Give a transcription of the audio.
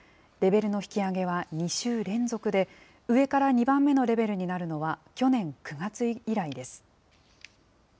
レベルの引き上げは２週連続で、上から２番目のレベルになるのは去年９月以来です。